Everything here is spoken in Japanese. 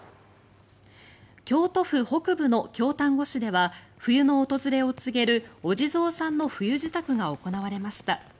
京都府北部の京丹後市では冬の訪れを告げるお地蔵さんの冬支度が行われました。